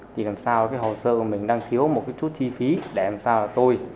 thì làm sao cái hồ sơ của mình đang thiếu một chút chi phí để làm sao là tôi